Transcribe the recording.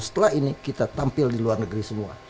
setelah ini kita tampil di luar negeri semua